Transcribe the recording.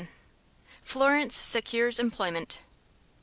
Florence Secures Employment.